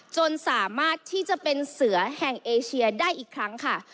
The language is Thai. จนสามารถที่จะเป็นเสือแห่งเอเชียได้อีกครั้งค่ะ